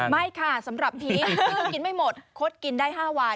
ไม่ค่ะสำหรับนี้คือกินไม่หมดคดกินได้๕วัน